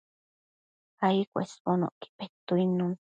ai cuesbonocqui petuidnun